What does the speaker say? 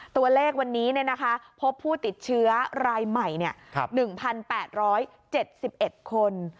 ตัวเลขวันนี้พบผู้ติดเชื้อรายใหม่๑๘๗๑คน